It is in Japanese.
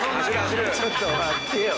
ちょっと待ってよ。